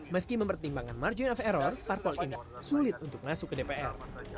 meski mempertimbangkan margin of error parpol ini sulit untuk masuk ke dpr